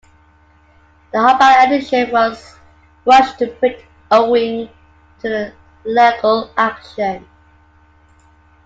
The hardback edition was rushed to print owing to the legal action.